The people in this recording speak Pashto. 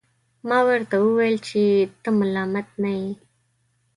ما ورته وویل چي ته ملامت نه یې.